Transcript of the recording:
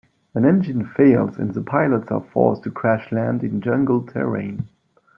An engine fails and the pilots are forced to crash-land in jungle terrain.